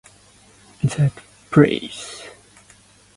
That building was torn down to make room for First Canadian Place.